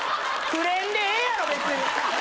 ふれんでええやろ別に！